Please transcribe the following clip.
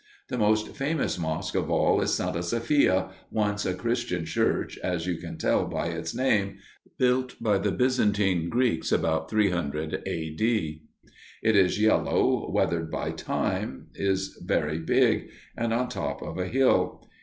The most famous mosque of all is Santa Sophia, once a Christian church as you can tell by its name, built by the Byzantine Greeks about 300 A. D. It is yellow, weathered by time, is very big and on top of a hill.